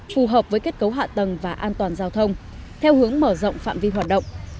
phù hợp với kết cấu hạ tầng và an toàn giao thông theo hướng mở rộng phạm vi hoạt động